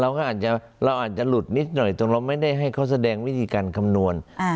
อาจจะเราอาจจะหลุดนิดหน่อยตรงเราไม่ได้ให้เขาแสดงวิธีการคำนวณ